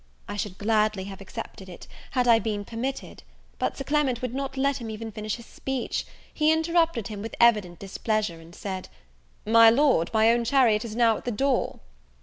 I should gladly have accepted it, had I been permitted, but Sir Clement would not let him even finish his speech; he interrupted him with evident displeasure, and said, "My Lord, my own chariot is now at the door."